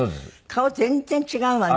顔全然違うわね。